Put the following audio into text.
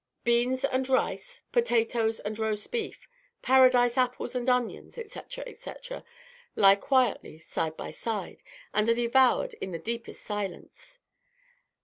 Beans and rice, potatoes and roast beef, Paradise apples and onions, etc., etc., lie quietly side by side, and are devoured in the deepest silence.